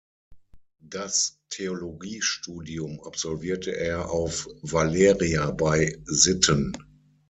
Das Theologiestudium absolvierte er auf Valeria bei Sitten.